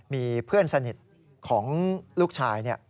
มีเพื่อนสนิทของลูกชาย